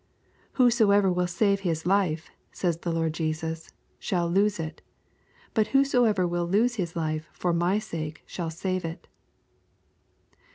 Whosoever will save his life/' says the Lord Jesus, " shall lose it ; but whosoever will lose his life for My sake shall save it."